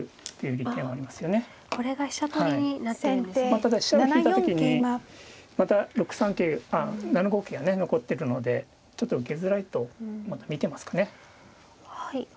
ただ飛車を引いた時にまた６三桂あっ７五桂がね残ってるのでちょっと受けづらいと見てますかね。